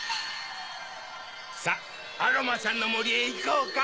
さぁアロマさんのもりへいこうか。